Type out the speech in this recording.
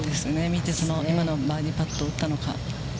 見て、今のバーディーパットを打ったのか。